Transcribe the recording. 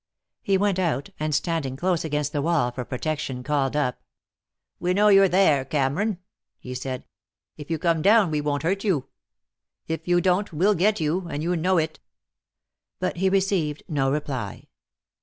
He went out, and standing close against the wall for protection, called up. "We know you're there, Cameron," he said. "If you come down we won't hurt you. If you don't, we'll get you, and you know it." But he received no reply.